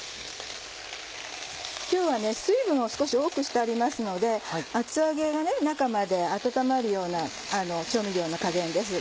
今日は水分を少し多くしてありますので厚揚げが中まで温まるような調味料の加減です。